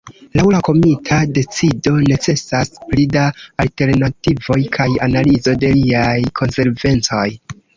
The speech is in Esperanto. Laŭ la komita decido necesas pli da alternativoj kaj analizo de iliaj konsekvencoj.